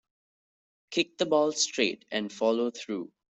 Kick the ball straight and follow through.